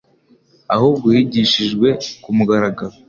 ahubwo yigishijwe ku mugaragaro.